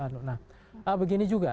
nah begini juga